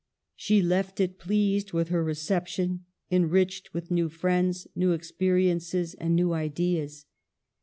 She left it pleased with her reception, en riched with new friends, new experiences, and new ideas.